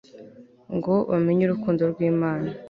ngo bamenyurukundo rwlmana